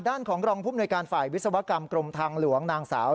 ด้านของรองภูมิหน่วยการฝ่ายวิศวกรรมกรมทางหลวงนางสาว